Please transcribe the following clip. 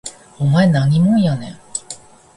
お前何もんやねん